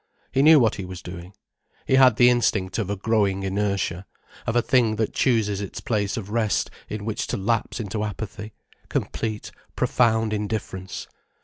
He knew what he was doing. He had the instinct of a growing inertia, of a thing that chooses its place of rest in which to lapse into apathy, complete, profound indifference.